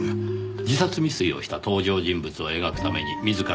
自殺未遂をした登場人物を描くために自ら自殺を試み